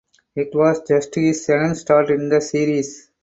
It was just his second start in the series.